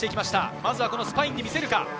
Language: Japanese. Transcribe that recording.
まずはスパインで見せるか。